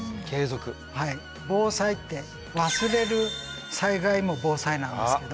「ぼうさい」って忘れる災害も「忘災」なんですけど。